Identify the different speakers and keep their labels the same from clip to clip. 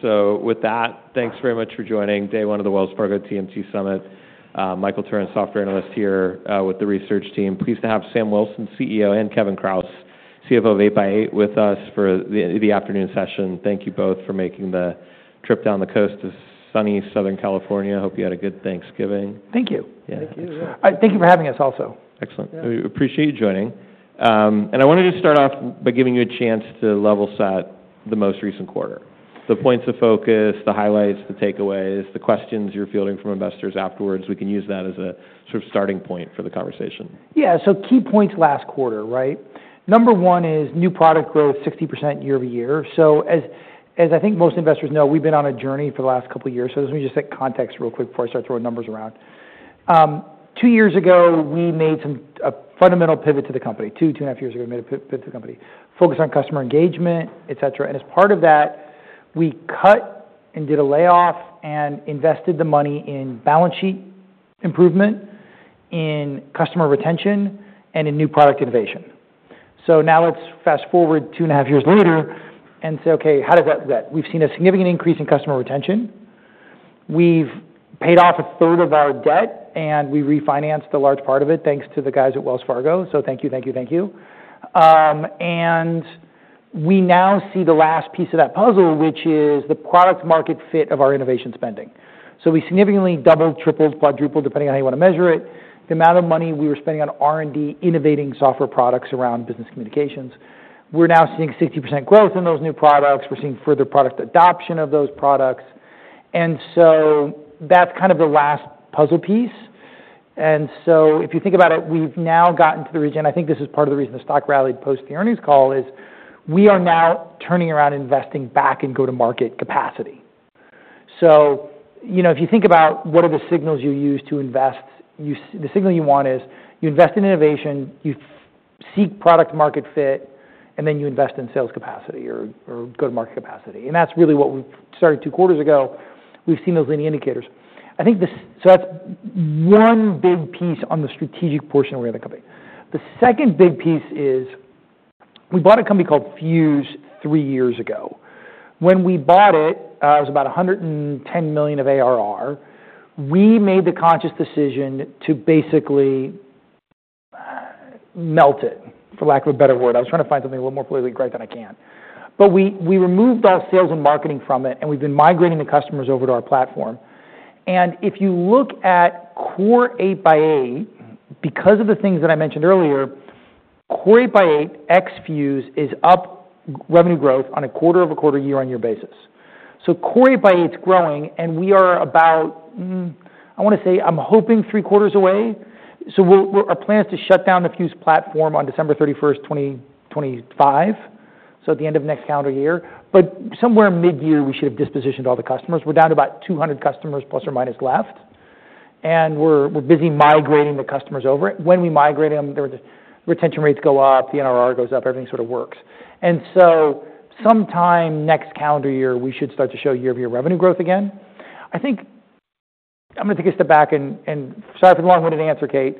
Speaker 1: So with that, thanks very much for joining Day One of the Wells Fargo TMT Summit. Michael Turrin, Software Analyst, here with the research team. Pleased to have Sam Wilson, CEO, and Kevin Kraus, CFO of 8x8, with us for the afternoon session. Thank you both for making the trip down the coast to sunny Southern California. Hope you had a good Thanksgiving.
Speaker 2: Thank you.
Speaker 1: Yeah.
Speaker 2: Thank you. Thank you for having us also.
Speaker 1: Excellent. We appreciate you joining. And I wanted to start off by giving you a chance to level set the most recent quarter: the points of focus, the highlights, the takeaways, the questions you're fielding from investors afterwards. We can use that as a sort of starting point for the conversation.
Speaker 2: Yeah. So key points last quarter, right? Number one is new product growth, 60% year-over-year. So as I think most investors know, we've been on a journey for the last couple of years. So let me just set context real quick before I start throwing numbers around. Two years ago, we made a fundamental pivot to the company. Two, two and a half years ago, we made a pivot to the company, focused on customer engagement, etc. And as part of that, we cut and did a layoff and invested the money in balance sheet improvement, in customer retention, and in new product innovation. So now let's fast forward two and a half years later and say, "Okay, how does that look at?" We've seen a significant increase in customer retention. We've paid off a third of our debt, and we refinanced a large part of it thanks to the guys at Wells Fargo. So thank you, thank you, thank you. And we now see the last piece of that puzzle, which is the product-market fit of our innovation spending. So we significantly doubled, tripled, quadrupled, depending on how you want to measure it, the amount of money we were spending on R&D innovating software products around business communications. We're now seeing 60% growth in those new products. We're seeing further product adoption of those products. And so that's kind of the last puzzle piece. And so if you think about it, we've now gotten to the region, and I think this is part of the reason the stock rallied post the earnings call, is we are now turning around investing back in go-to-market capacity. If you think about what are the signals you use to invest, the signal you want is you invest in innovation, you seek product-market fit, and then you invest in sales capacity or go-to-market capacity. And that's really what we started two quarters ago. We've seen those leading indicators. So that's one big piece on the strategic portion of where the company is. The second big piece is we bought a company called Fuze three years ago. When we bought it, it was about $110 million of ARR. We made the conscious decision to basically melt it, for lack of a better word. I was trying to find something a little more politically correct than I can. But we removed all sales and marketing from it, and we've been migrating the customers over to our platform. If you look at Core 8x8, because of the things that I mentioned earlier, Core 8x8 ex-Fuze is up revenue growth on a quarter-over-quarter year-on-year basis. Core 8x8's growing, and we are about, I want to say, I'm hoping three quarters away. Our plan is to shut down the Fuze platform on December 31st, 2025, so at the end of next calendar year. But somewhere mid-year, we should have dispositioned all the customers. We're down to about 200 customers plus or minus left, and we're busy migrating the customers over it. When we migrate them, the retention rates go up, the NRR goes up, everything sort of works. Sometime next calendar year, we should start to show year-over-year revenue growth again. I'm going to take a step back, and sorry for the long-winded answer, okay.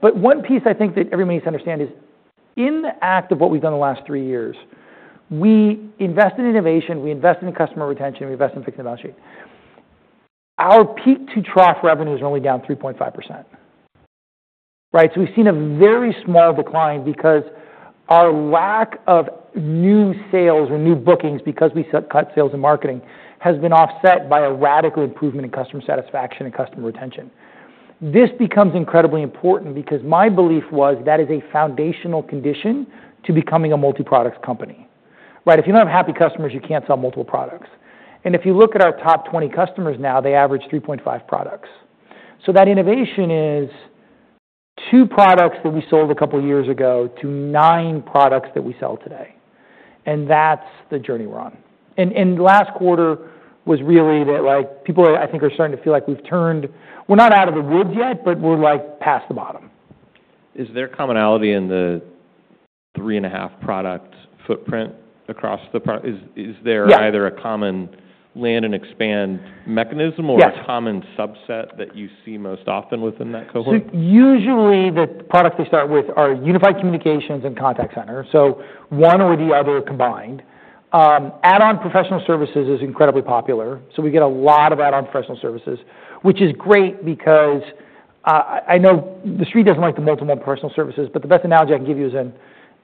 Speaker 2: But one piece I think that everybody needs to understand is in the act of what we've done the last three years, we invest in innovation, we invest in customer retention, we invest in fixing the balance sheet. Our peak-to-trough revenue is only down 3.5. Right? So we've seen a very small decline because our lack of new sales or new bookings because we cut sales and marketing has been offset by a radical improvement in customer satisfaction and customer retention. This becomes incredibly important because my belief was that is a foundational condition to becoming a multi-product company. Right? If you don't have happy customers, you can't sell multiple products. And if you look at our top 20 customers now, they average 3.5 products. So that innovation is two products that we sold a couple of years ago to nine products that we sell today. And that's the journey we're on. And last quarter was really that people, I think, are starting to feel like we've turned. We're not out of the woods yet, but we're past the bottom.
Speaker 1: Is there commonality in the three and a half product footprint across the product? Is there either a common land and expand mechanism or a common subset that you see most often within that cohort?
Speaker 2: So usually the products they start with are unified communications and contact center. So one or the other combined. Add-on professional services is incredibly popular. So we get a lot of add-on professional services, which is great because I know the street doesn't like the multiple professional services, but the best analogy I can give you is an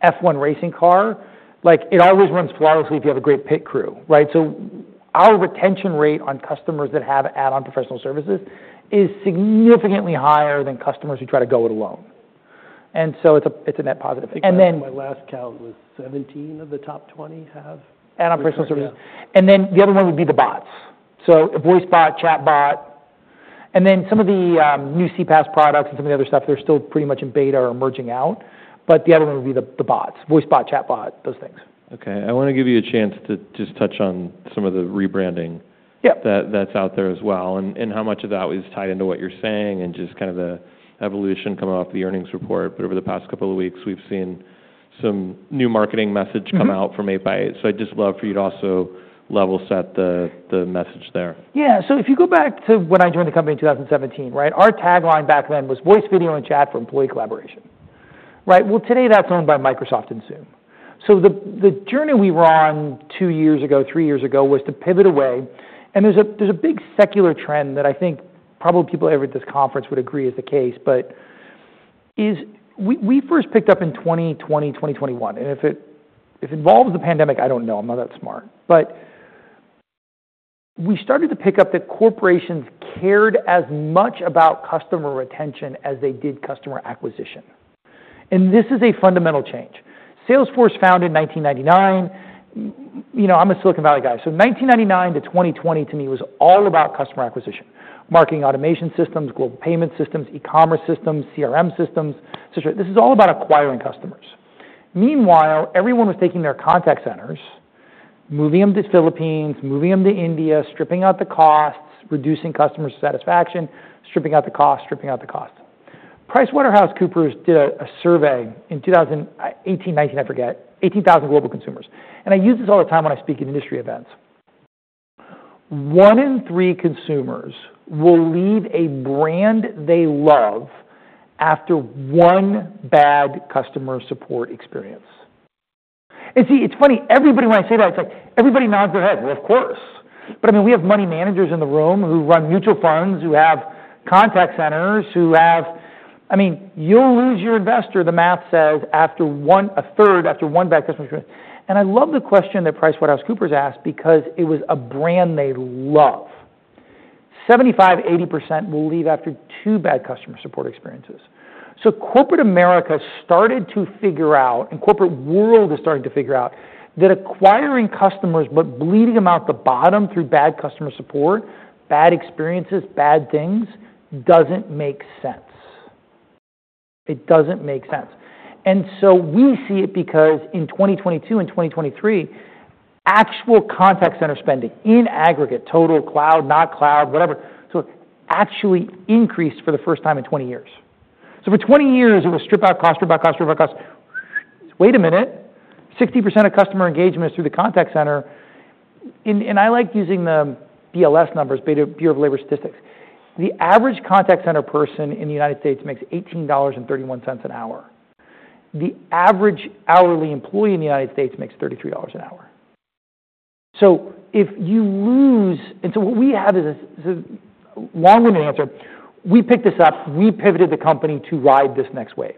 Speaker 2: F1 racing car. It always runs flawlessly if you have a great pit crew. Right? So our retention rate on customers that have add-on professional services is significantly higher than customers who try to go it alone. And so it's a net positive.
Speaker 3: My last count was 17 of the top 20 have add-on professional services.
Speaker 2: Add-on professional services. And then the other one would be the bots. So voice bot, chat bot. And then some of the new CPaaS products and some of the other stuff, they're still pretty much in beta or emerging out. But the other one would be the bots, voice bot, chat bot, those things.
Speaker 1: Okay. I want to give you a chance to just touch on some of the rebranding that's out there as well and how much of that was tied into what you're saying and just kind of the evolution coming off the earnings report. But over the past couple of weeks, we've seen some new marketing message come out from 8x8. So I'd just love for you to also level set the message there.
Speaker 2: Yeah. So if you go back to when I joined the company in 2017, right, our tagline back then was voice, video, and chat for employee collaboration. Right? Well, today that's owned by Microsoft and Zoom. So the journey we were on two years ago, three years ago was to pivot away. And there's a big secular trend that I think probably people over at this conference would agree is the case, but we first picked up in 2020, 2021. And if it involves the pandemic, I don't know. I'm not that smart. But we started to pick up that corporations cared as much about customer retention as they did customer acquisition. And this is a fundamental change. Salesforce founded in 1999. I'm a Silicon Valley guy. So 1999 to 2020, to me, was all about customer acquisition: marketing automation systems, global payment systems, e-commerce systems, CRM systems, etc. This is all about acquiring customers. Meanwhile, everyone was taking their contact centers, moving them to the Philippines, moving them to India, stripping out the costs, reducing customer satisfaction, stripping out the costs, stripping out the costs. PricewaterhouseCoopers did a survey in 2018, 2019, I forget, 18,000 global consumers, and I use this all the time when I speak at industry events. One in three consumers will leave a brand they love after one bad customer support experience, and see, it's funny, everybody when I say that, it's like everybody nods their head. Well, of course, but I mean, we have money managers in the room who run mutual funds, who have contact centers, who have—I mean, you'll lose your investor, the math says, after a third, after one bad customer experience, and I love the question that PricewaterhouseCoopers asked because it was a brand they love. 75%-80% will leave after two bad customer support experiences. So corporate America started to figure out, and corporate world is starting to figure out that acquiring customers but bleeding them out the bottom through bad customer support, bad experiences, bad things doesn't make sense. It doesn't make sense. And so we see it because in 2022 and 2023, actual contact center spending in aggregate, total cloud, not cloud, whatever, so actually increased for the first time in 20 years. So for 20 years, it was strip out cost, strip out cost, strip out cost. Wait a minute, 60% of customer engagement is through the contact center. And I like using the BLS numbers, Bureau of Labor Statistics. The average contact center person in the United States makes $18.31 an hour. The average hourly employee in the United States makes $33 an hour. So if you lose and so what we have is a long-winded answer. We picked this up. We pivoted the company to ride this next wave.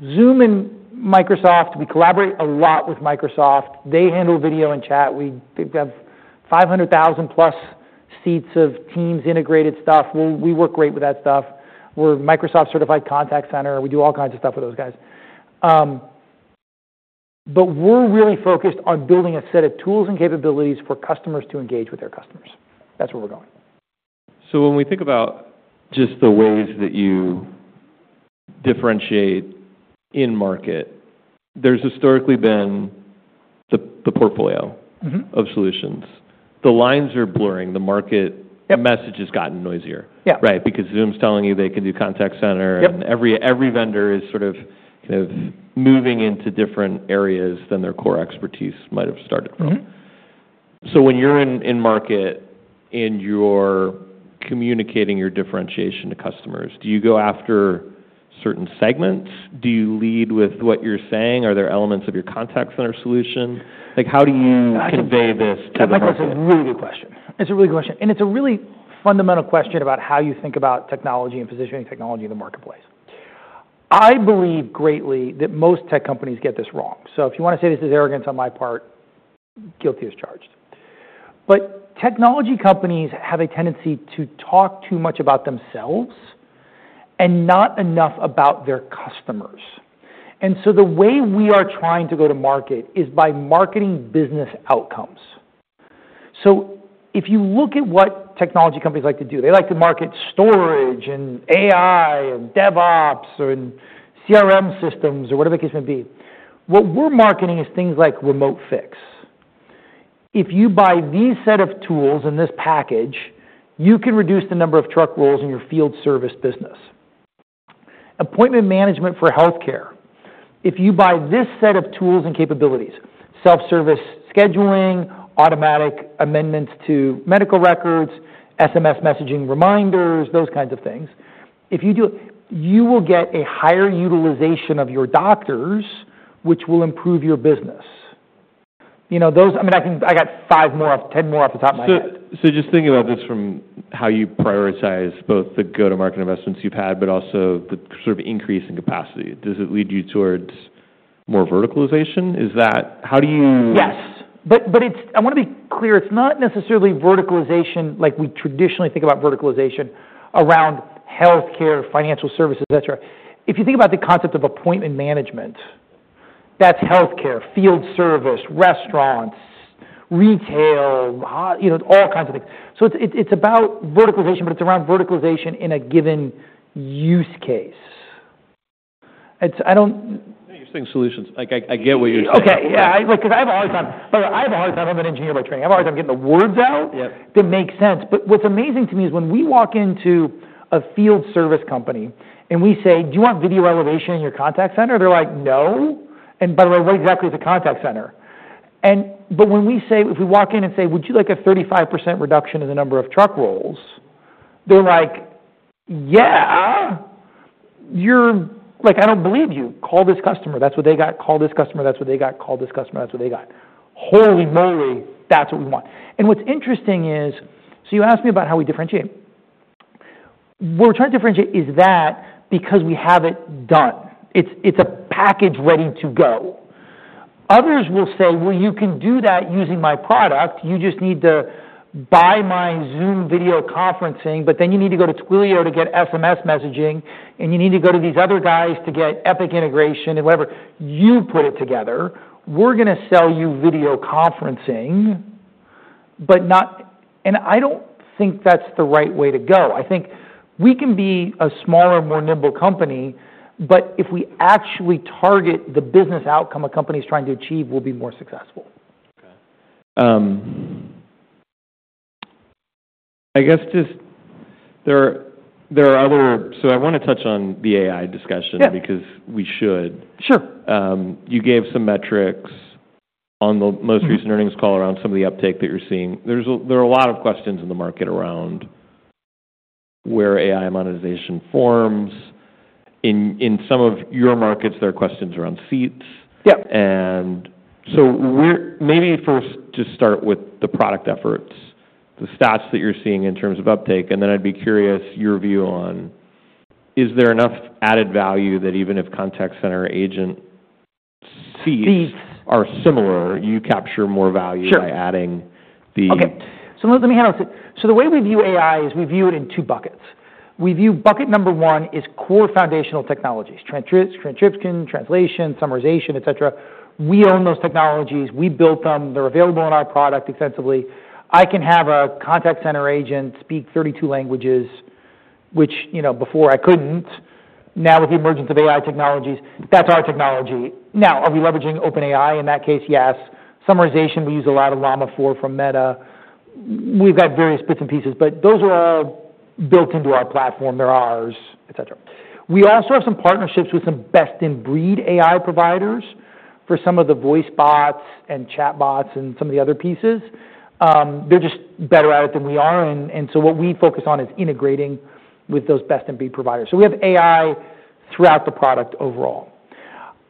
Speaker 2: Zoom and Microsoft, we collaborate a lot with Microsoft. They handle video and chat. We have 500,000+ seats of Teams integrated stuff. We work great with that stuff. We're a Microsoft-certified contact center. We do all kinds of stuff with those guys. But we're really focused on building a set of tools and capabilities for customers to engage with their customers. That's where we're going.
Speaker 1: So when we think about just the ways that you differentiate in market, there's historically been the portfolio of solutions. The lines are blurring. The market message has gotten noisier. Right? Because Zoom's telling you they can do contact center, and every vendor is sort of moving into different areas than their core expertise might have started from. So when you're in market and you're communicating your differentiation to customers, do you go after certain segments? Do you lead with what you're saying? Are there elements of your contact center solution? How do you convey this to the market?
Speaker 2: That's a really good question. It's a really good question. And it's a really fundamental question about how you think about technology and positioning technology in the marketplace. I believe greatly that most tech companies get this wrong. So if you want to say this is arrogance on my part, guilty as charged. But technology companies have a tendency to talk too much about themselves and not enough about their customers. And so the way we are trying to go to market is by marketing business outcomes. So if you look at what technology companies like to do, they like to market storage and AI and DevOps and CRM systems or whatever the case may be. What we're marketing is things like remote fix. If you buy these set of tools and this package, you can reduce the number of truck rolls in your field service business. Appointment management for healthcare. If you buy this set of tools and capabilities, self-service scheduling, automatic amendments to medical records, SMS messaging reminders, those kinds of things, you will get a higher utilization of your doctors, which will improve your business. I mean, I think I got 10 more off the top of my head.
Speaker 1: So just thinking about this from how you prioritize both the go-to-market investments you've had, but also the sort of increase in capacity, does it lead you towards more verticalization?
Speaker 2: Yes. But I want to be clear. It's not necessarily verticalization like we traditionally think about verticalization around healthcare, financial services, etc. If you think about the concept of appointment management, that's healthcare, field service, restaurants, retail, all kinds of things. So it's about verticalization, but it's around verticalization in a given use case.
Speaker 1: You're saying solutions. I get what you're saying.
Speaker 2: Okay. Yeah. Because I have a hard time. By the way, I have a hard time. I'm an engineer by training. I have a hard time getting the words out that make sense, but what's amazing to me is when we walk into a field service company and we say, "Do you want video elevation in your contact center?" They're like, "No," and by the way, what exactly is a contact center? But when we say, if we walk in and say, "Would you like a 35% reduction in the number of truck rolls?" They're like, "Yeah. I don't believe you. Call this customer." That's what they got. Holy moly, that's what we want, and what's interesting is, so you asked me about how we differentiate. What we're trying to differentiate is that because we have it done. It's a package ready to go. Others will say, "Well, you can do that using my product. You just need to buy my Zoom video conferencing, but then you need to go to Twilio to get SMS messaging, and you need to go to these other guys to get Epic integration and whatever." You put it together. We're going to sell you video conferencing, but not, and I don't think that's the right way to go. I think we can be a smaller, more nimble company, but if we actually target the business outcome a company is trying to achieve, we'll be more successful.
Speaker 1: I want to touch on the AI discussion because we should. You gave some metrics on the most recent earnings call around some of the uptake that you're seeing. There are a lot of questions in the market around where AI monetization forms. In some of your markets, there are questions around seats. And so maybe first just start with the product efforts, the stats that you're seeing in terms of uptake, and then I'd be curious your view on is there enough added value that even if contact center agent seats are similar, you capture more value by adding the. [unintelligible]
Speaker 2: Okay. So let me handle it. So the way we view AI is we view it in two buckets. We view bucket number one is core foundational technologies: transcription, translation, summarization, etc. We own those technologies. We built them. They're available in our product extensively. I can have a contact center agent speak 32 languages, which before I couldn't. Now with the emergence of AI technologies, that's our technology. Now, are we leveraging OpenAI in that case? Yes. Summarization, we use a lot of Llama 4 from Meta. We've got various bits and pieces, but those are all built into our platform. They're ours, etc. We also have some partnerships with some best-in-breed AI providers for some of the voice bots and chat bots and some of the other pieces. They're just better at it than we are. And so what we focus on is integrating with those best-in-breed providers. So we have AI throughout the product overall.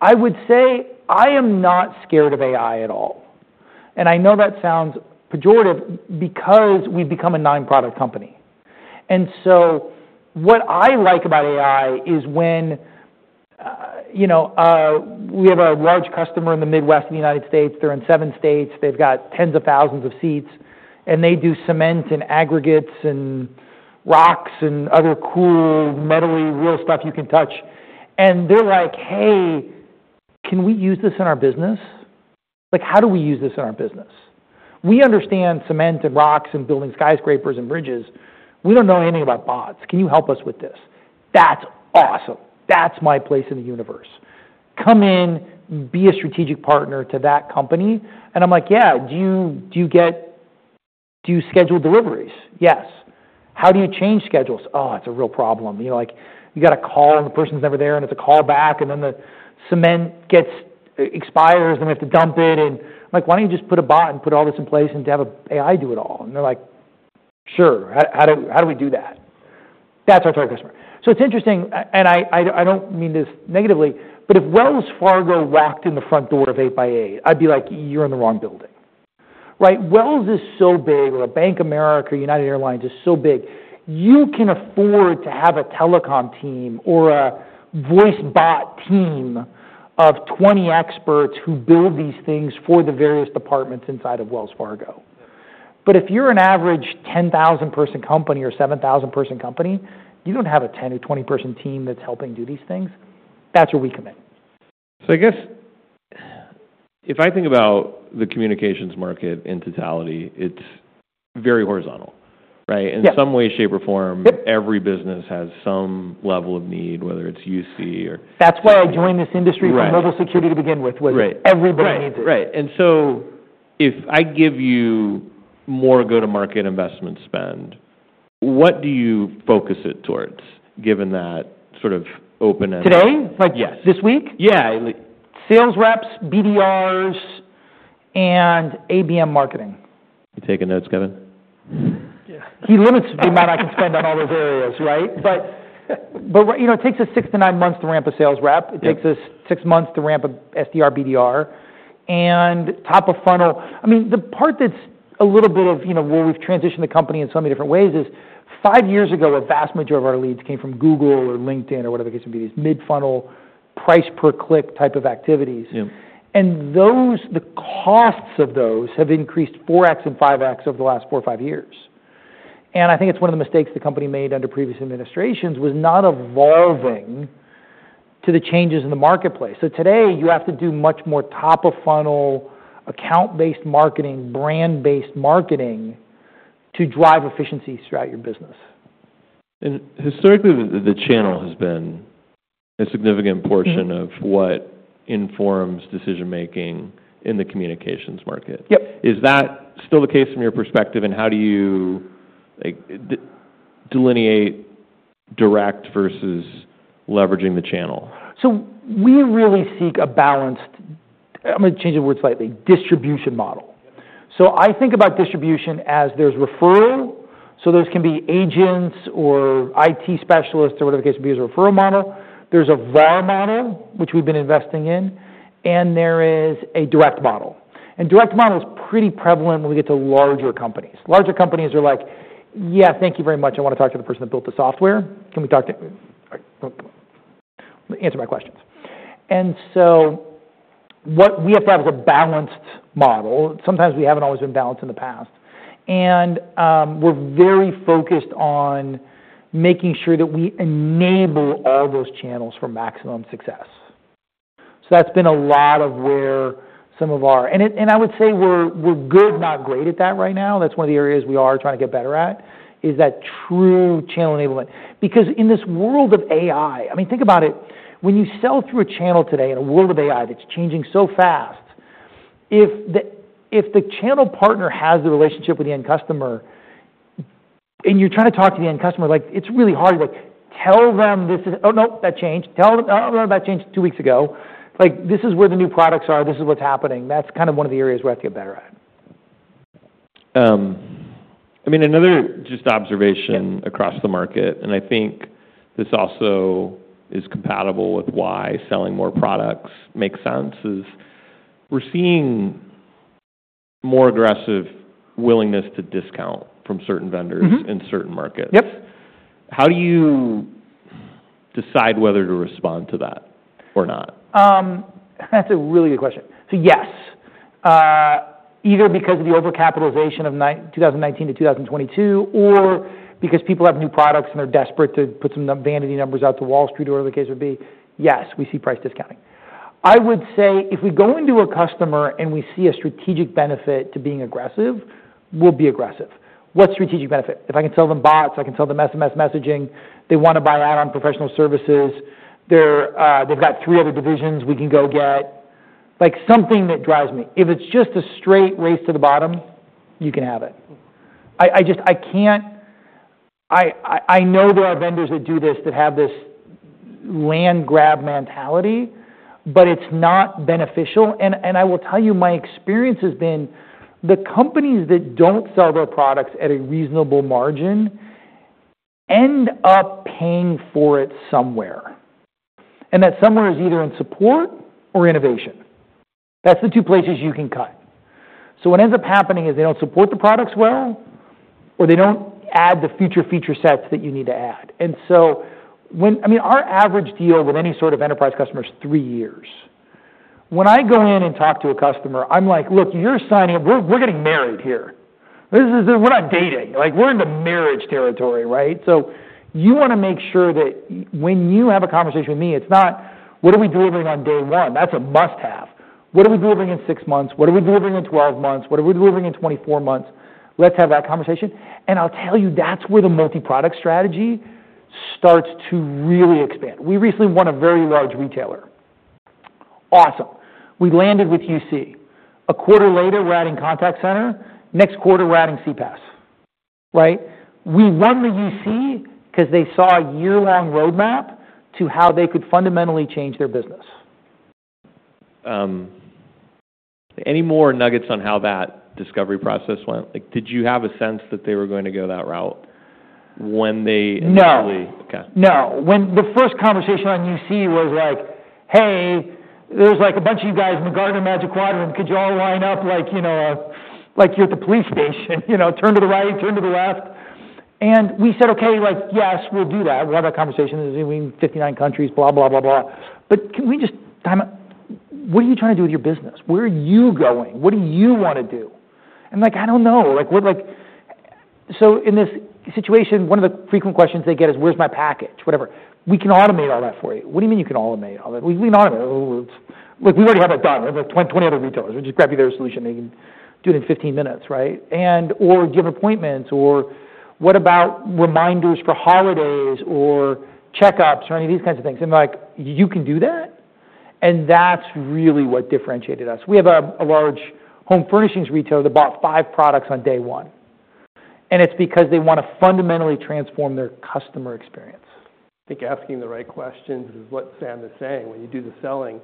Speaker 2: I would say I am not scared of AI at all. And I know that sounds pejorative because we've become a non-product company. And so what I like about AI is when we have a large customer in the Midwest of the United States. They're in seven states. They've got tens of thousands of seats. And they do cement and aggregates and rocks and other cool metal real stuff you can touch. And they're like, "Hey, can we use this in our business? How do we use this in our business? We understand cement and rocks and building skyscrapers and bridges. We don't know anything about bots. Can you help us with this?" That's awesome. That's my place in the universe. Come in, be a strategic partner to that company. And I'm like, "Yeah. Do you schedule deliveries?" Yes. How do you change schedules?" "Oh, it's a real problem. You got a call, and the person's never there, and it's a call back, and then the cement expires, and we have to dump it." And I'm like, "Why don't you just put a bot and put all this in place and have AI do it all?" And they're like, "Sure. How do we do that?" That's our target customer. So it's interesting. And I don't mean this negatively, but if Wells Fargo walked in the front door of 8x8, I'd be like, "You're in the wrong building." Right? Wells is so big, or Bank of America, United Airlines is so big. You can afford to have a telecom team or a voice bot team of 20 experts who build these things for the various departments inside of Wells Fargo. But if you're an average 10,000-person company or 7,000-person company, you don't have a 10 or 20-person team that's helping do these things. That's where we come in.
Speaker 1: So I guess if I think about the communications market in totality, it's very horizontal. Right? In some way, shape, or form, every business has some level of need, whether it's UC.
Speaker 2: That's why I joined this industry for mobile security to begin with, was everybody needs it.
Speaker 1: Right. Right. And so if I give you more go-to-market investment spend, what do you focus it towards, given that sort of open-ended?
Speaker 2: Today? This week?
Speaker 1: Yeah.
Speaker 2: Sales reps, BDRs, and ABM marketing.
Speaker 1: You taking notes, Kevin?
Speaker 3: Yeah.
Speaker 2: He limits the amount I can spend on all those areas. Right? But it takes us six to nine months to ramp a sales rep. It takes us six months to ramp an SDR BDR. And top of funnel, I mean, the part that's a little bit of where we've transitioned the company in so many different ways, is five years ago a vast majority of our leads came from Google or LinkedIn or whatever the case may be, these mid-funnel pay-per-click type of activities. And the costs of those have increased 4x and 5x over the last four or five years. And I think it's one of the mistakes the company made under previous administrations was not evolving to the changes in the marketplace. So today, you have to do much more top-of-funnel account-based marketing, brand-based marketing to drive efficiencies throughout your business.
Speaker 1: Historically, the channel has been a significant portion of what informs decision-making in the communications market. Is that still the case from your perspective? How do you delineate direct versus leveraging the channel?
Speaker 2: So we really seek a balanced, I'm going to change the word slightly, distribution model. So I think about distribution as there's referral. So there can be agents or IT specialists or whatever the case may be as a referral model. There's a VAR model, which we've been investing in. And there is a direct model. And direct model is pretty prevalent when we get to larger companies. Larger companies are like, "Yeah, thank you very much. I want to talk to the person that built the software. Can we talk to answer my questions." And so what we have to have is a balanced model. Sometimes we haven't always been balanced in the past. And we're very focused on making sure that we enable all those channels for maximum success. So that's been a lot of where some of our, and I would say we're good, not great at that right now. That's one of the areas we are trying to get better at, is that true channel enablement. Because in this world of AI, I mean, think about it. When you sell through a channel today in a world of AI that's changing so fast, if the channel partner has the relationship with the end customer and you're trying to talk to the end customer, it's really hard. Tell them this is, oh no, that changed. Tell them, "Oh, that changed two weeks ago." This is where the new products are. This is what's happening. That's kind of one of the areas we have to get better at.
Speaker 1: I mean, another just observation across the market, and I think this also is compatible with why selling more products makes sense, is we're seeing more aggressive willingness to discount from certain vendors in certain markets. How do you decide whether to respond to that or not?
Speaker 2: That's a really good question. So yes, either because of the overcapitalization of 2019 to 2022 or because people have new products and they're desperate to put some vanity numbers out to Wall Street or whatever the case may be, yes, we see price discounting. I would say if we go into a customer and we see a strategic benefit to being aggressive, we'll be aggressive. What strategic benefit? If I can sell them bots, I can sell them SMS messaging, they want to buy add-on professional services, they've got three other divisions we can go get, something that drives me. If it's just a straight race to the bottom, you can have it. I know there are vendors that do this that have this land-grab mentality, but it's not beneficial. I will tell you, my experience has been the companies that don't sell their products at a reasonable margin end up paying for it somewhere. That somewhere is either in support or innovation. That's the two places you can cut. What ends up happening is they don't support the products well or they don't add the future feature sets that you need to add. So, I mean, our average deal with any sort of enterprise customer is three years. When I go in and talk to a customer, I'm like, "Look, you're signing up. We're getting married here. We're not dating. We're in the marriage territory." Right? So you want to make sure that when you have a conversation with me, it's not, "What are we delivering on day one?" That's a must-have. "What are we delivering in six months? What are we delivering in 12 months? What are we delivering in 24 months?" Let's have that conversation, and I'll tell you, that's where the multi-product strategy starts to really expand. We recently won a very large retailer. Awesome. We landed with UC. A quarter later, we're adding contact center. Next quarter, we're adding CPaaS. Right? We won the UC because they saw a year-long roadmap to how they could fundamentally change their business.
Speaker 1: Any more nuggets on how that discovery process went? Did you have a sense that they were going to go that route when they initially?
Speaker 2: No. No. When the first conversation on UC was like, "Hey, there's a bunch of you guys in the Gartner Magic Quadrant. Could you all line up like you're at the police station? Turn to the right, turn to the left." And we said, "Okay. Yes, we'll do that. We'll have that conversation. We're doing 59 countries, etc." But can we just—what are you trying to do with your business? Where are you going? What do you want to do? And I don't know. So in this situation, one of the frequent questions they get is, "Where's my package?" Whatever. We can automate all that for you. "What do you mean you can automate all that?" "We can automate. We already have that done. We have 20 other retailers. We'll just grab you their solution. They can do it in 15 minutes." Right? Or, "Do you have appointments?" Or, "What about reminders for holidays or checkups or any of these kinds of things?" And they're like, "You can do that?" And that's really what differentiated us. We have a large home furnishings retailer that bought five products on day one. And it's because they want to fundamentally transform their customer experience.
Speaker 3: I think asking the right questions is what Sam is saying. When you do the selling,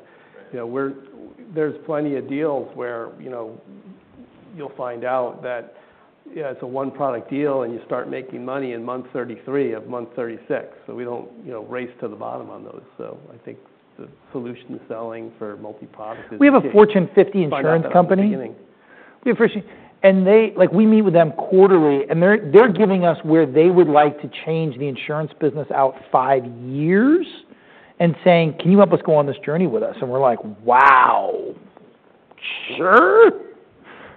Speaker 3: there's plenty of deals where you'll find out that it's a one-product deal and you start making money in month 33 of month 36. So we don't race to the bottom on those. So I think the solution to selling for multi-product is.
Speaker 2: We have a Fortune 50 insurance company. We meet with them quarterly, and they're giving us where they would like to change the insurance business out five years and saying, "Can you help us go on this journey with us?", and we're like, "Wow. Sure."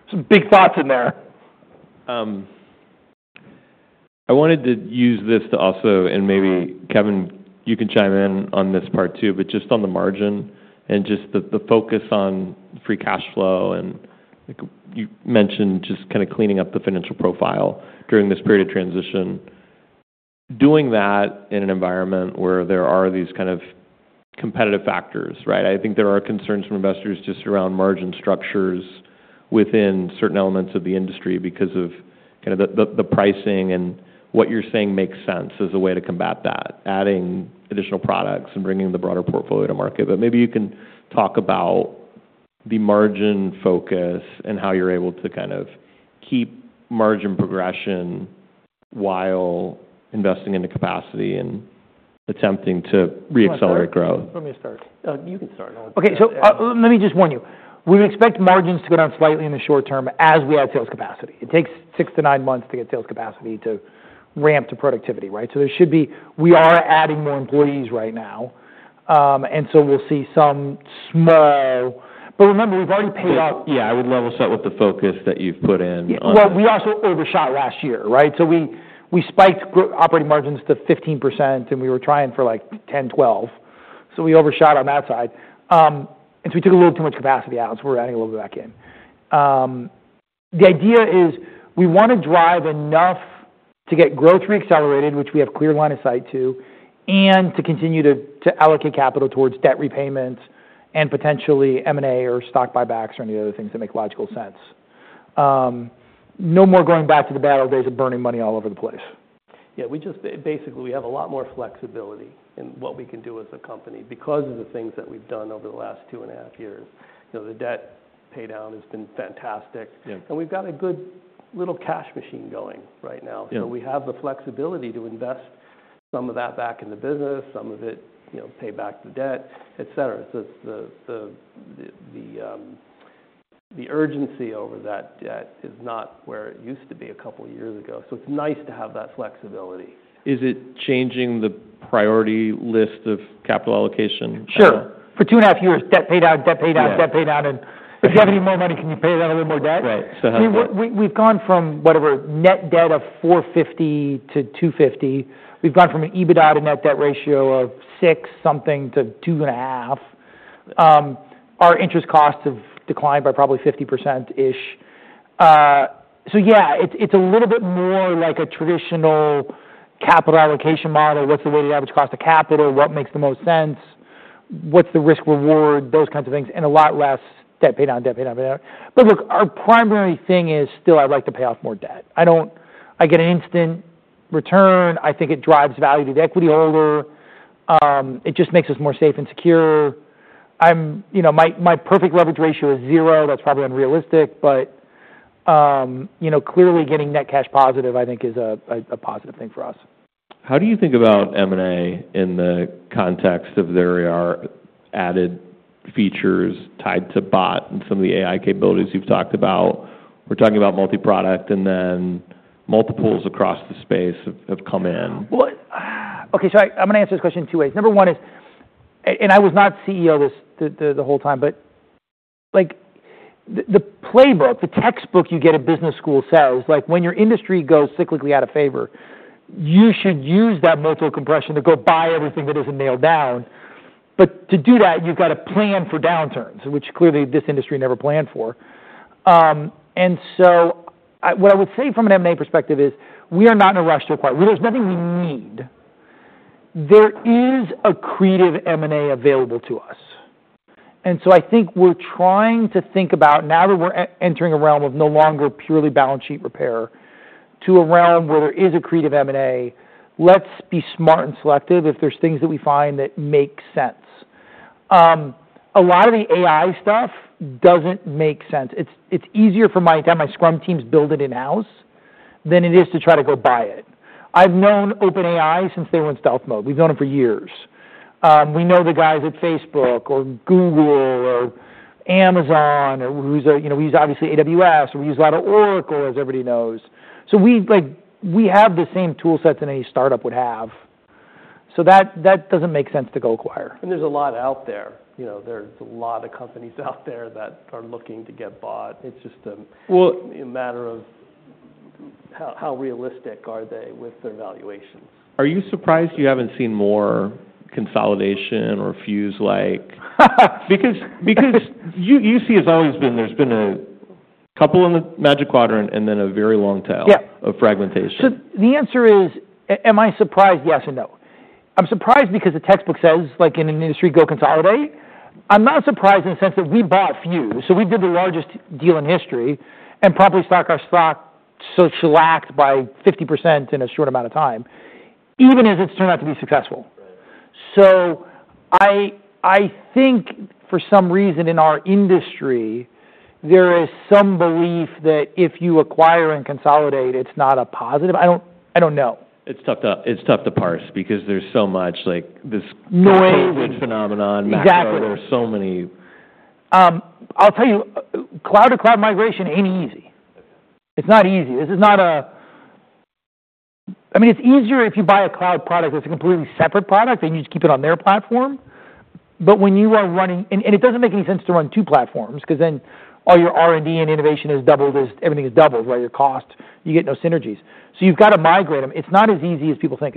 Speaker 2: Some big thoughts in there.
Speaker 1: I wanted to use this to also, and maybe Kevin, you can chime in on this part too, but just on the margin and just the focus on free cash flow. And you mentioned just kind of cleaning up the financial profile during this period of transition. Doing that in an environment where there are these kind of competitive factors. Right? I think there are concerns from investors just around margin structures within certain elements of the industry because of kind of the pricing. And what you're saying makes sense as a way to combat that, adding additional products and bringing the broader portfolio to market. But maybe you can talk about the margin focus and how you're able to kind of keep margin progression while investing into capacity and attempting to re-accelerate growth.
Speaker 3: Let me start. You can start.
Speaker 2: Okay, so let me just warn you. We would expect margins to go down slightly in the short-term as we add sales capacity. It takes six-to-nine months to get sales capacity to ramp to productivity, right? So there should be. We are adding more employees right now, and so we'll see some small, but remember, we've already paid off.
Speaker 1: Yeah. I would level set with the focus that you've put in on.
Speaker 2: Well, we also overshot last year. Right? So we spiked operating margins to 15%, and we were trying for like 10%-12%. So we overshot on that side. And so we took a little too much capacity out. So we're adding a little bit back in. The idea is we want to drive enough to get growth re-accelerated, which we have a clear line of sight to, and to continue to allocate capital towards debt repayments and potentially M&A or stock buybacks or any of the other things that make logical sense. No more going back to the bad old days of burning money all over the place.
Speaker 3: Yeah. Basically, we have a lot more flexibility in what we can do as a company because of the things that we've done over the last two and a half years. The debt paydown has been fantastic. And we've got a good little cash machine going right now. So we have the flexibility to invest some of that back in the business, some of it pay back the debt, etc. So the urgency over that debt is not where it used to be a couple of years ago. So it's nice to have that flexibility.
Speaker 1: Is it changing the priority list of capital allocation?
Speaker 2: Sure. For two and a half years, debt paydown, debt paydown, debt paydown, and if you have any more money, can you pay down a little more debt? We've gone from whatever net debt of $450 to $250. We've gone from an EBITDA to net debt ratio of 6x-something to 2.5x. Our interest costs have declined by probably 50%-ish. So yeah, it's a little bit more like a traditional capital allocation model. What's the weighted average cost of capital? What makes the most sense? What's the risk-reward? Those kinds of things. And a lot less debt paydown, debt paydown. But look, our primary thing is still I'd like to pay off more debt. I get an instant return. I think it drives value to the equity holder. It just makes us more safe and secure. My perfect leverage ratio is zero. That's probably unrealistic. But clearly, getting net cash positive, I think, is a positive thing for us.
Speaker 1: How do you think about M&A in the context of there are added features tied to bot and some of the AI capabilities you've talked about? We're talking about multi-product, and then multiples across the space have come in.
Speaker 2: Okay. So I'm going to answer this question in two ways. Number one is, and I was not CEO the whole time, but the playbook, the textbook you get at business school says, "When your industry goes cyclically out of favor, you should use that multiple compression to go buy everything that isn't nailed down." But to do that, you've got to plan for downturns, which clearly this industry never planned for. And so what I would say from an M&A perspective is we are not in a rush to acquire. There's nothing we need. There is accretive M&A available to us. And so I think we're trying to think about, now that we're entering a realm of no longer purely balance sheet repair to a realm where there is accreative M&A, let's be smart and selective if there's things that we find that make sense. A lot of the AI stuff doesn't make sense. It's easier for my scrum teams build it in-house than it is to try to go buy it. I've known OpenAI since they were in stealth mode. We've known them for years. We know the guys at Facebook or Google or Amazon or we use obviously AWS, or we use a lot of Oracle, as everybody knows. So we have the same toolsets than any start-up would have. So that doesn't make sense to go acquire.
Speaker 3: There's a lot out there. There's a lot of companies out there that are looking to get bought. It's just a matter of how realistic are they with their valuations?
Speaker 1: Are you surprised you haven't seen more consolidation or Fuze-like? Because UC has always been, there's been a couple in the Magic Quadrant and then a very long tail of fragmentation.
Speaker 2: So the answer is, am I surprised? Yes and no. I'm surprised because the textbook says, "In an industry, go consolidate." I'm not surprised in the sense that we bought Fuze. So we did the largest deal in history and probably shocked our stock so shellacked by 50% in a short amount of time, even as it's turned out to be successful. So I think for some reason in our industry, there is some belief that if you acquire and consolidate, it's not a positive. I don't know.
Speaker 1: It's tough to parse because there's so much this COVID phenomenon matter where there's so many.
Speaker 2: I'll tell you, cloud-to-cloud migration ain't easy. It's not easy. This is not a. I mean, it's easier if you buy a cloud product that's a completely separate product and you just keep it on their platform. But when you are running, and it doesn't make any sense to run two platforms because then all your R&D and innovation is doubled as everything is doubled, right? Your cost, you get no synergies. So you've got to migrate them. It's not as easy as people think.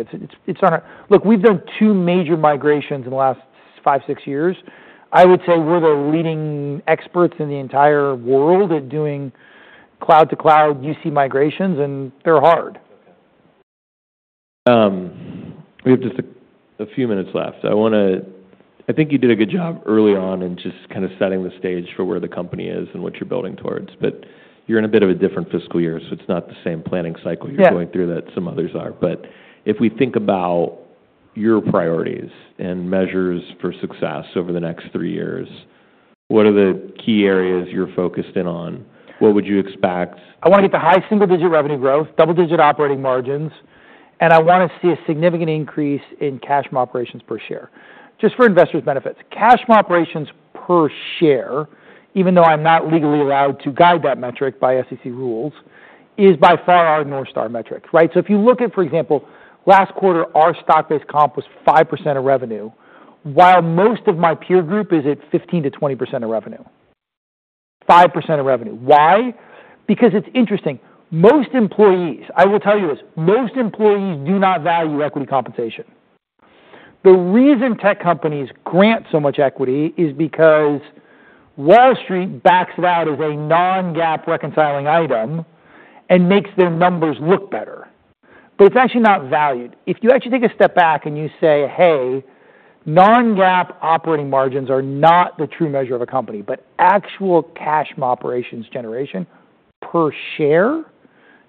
Speaker 2: Look, we've done two major migrations in the last five, six years. I would say we're the leading experts in the entire world at doing cloud-to-cloud UC migrations, and they're hard.
Speaker 1: Okay. We have just a few minutes left. I think you did a good job early on in just kind of setting the stage for where the company is and what you're building towards. But you're in a bit of a different fiscal year, so it's not the same planning cycle you're going through that some others are. But if we think about your priorities and measures for success over the next three years, what are the key areas you're focused in on? What would you expect?
Speaker 2: I want to get the high single-digit revenue growth, double-digit operating margins, and I want to see a significant increase in cash from operations per share just for investors' benefits. Cash from operations per share, even though I'm not legally allowed to guide that metric by SEC rules, is by far our North Star metric. Right? So if you look at, for example, last quarter, our stock-based comp was 5% of revenue, while most of my peer group is at 15%-20% of revenue, 5% of revenue. Why? Because it's interesting. Most employees, I will tell you this, most employees do not value equity compensation. The reason tech companies grant so much equity is because Wall Street backs it out as a non-GAAP reconciling item and makes their numbers look better. But it's actually not valued. If you actually take a step back and you say, "Hey, non-GAAP operating margins are not the true measure of a company, but actual cash from operations generation per share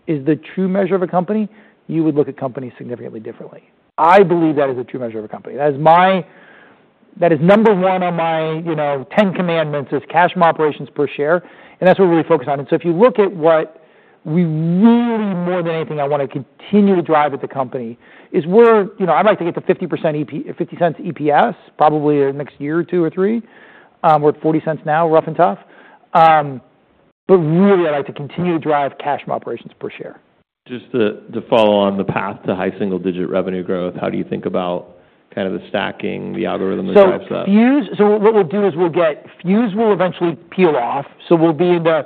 Speaker 2: is the true measure of a company," you would look at companies significantly differently. I believe that is the true measure of a company. That is number one on my 10 commandments is cash from operations per share. And that's what we really focus on. And so if you look at what we really, more than anything, I want to continue to drive at the company is where I'd like to get to $0.50 EPS probably next year, two or three. We're at $0.40 now, rough and tough. But really, I'd like to continue to drive cash from operations per share.
Speaker 1: Just to follow on the path to high single-digit revenue growth, how do you think about kind of the stacking, the algorithm, and the types of?
Speaker 2: So what we'll do is we'll get Fuze will eventually peel off. So we'll be in the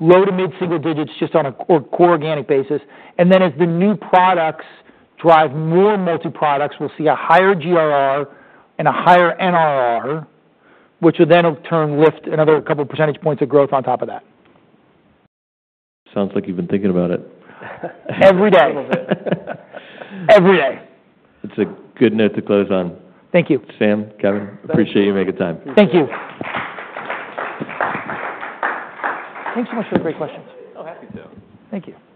Speaker 2: low to mid-single digits just on a core organic basis. And then as the new products drive more multi-products, we'll see a higher GRR and a higher NRR, which will then in turn lift another couple of percentage points of growth on top of that.
Speaker 1: Sounds like you've been thinking about it.
Speaker 2: Every day. Every day.
Speaker 1: It's a good note to close on.
Speaker 2: Thank you.
Speaker 1: Sam, Kevin, appreciate you making time.
Speaker 2: Thank you. Thanks so much for the great questions.
Speaker 3: Oh, happy to.
Speaker 2: Thank you.